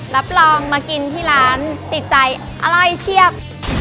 รับรองมากินที่ร้านติดใจอร่อยเชียบ